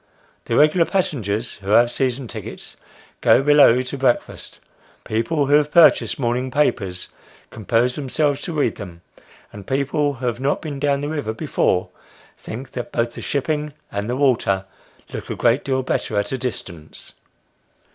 The regular passengers, who have season tickets, go below to breakfast ; people who have purchased morning papers, compose themselves to read them ; and people who have not been down the river before, think that both the shipping and the water, look a great deal better at a distance.